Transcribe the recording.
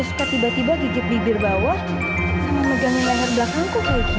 teruska tiba tiba gigit bibir bawah sama pegangan layar belakangku kayak gitu